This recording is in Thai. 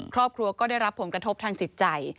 ครอบครัวก็ได้รับผลกระทบทางจิตใจ